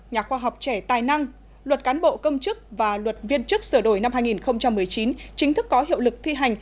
nhà khoa học trẻ tài năng luật cán bộ công chức và luật viên chức sửa đổi năm hai nghìn một mươi chín chính thức có hiệu lực thi hành